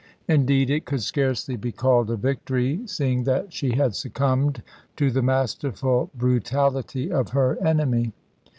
Indeed, it could scarcely be called a victory, seeing that she had succumbed to the masterful brutality of her enemy.